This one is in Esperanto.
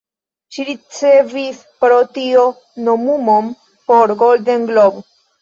Ŝi ricevis pro tio nomumon por "Golden Globe".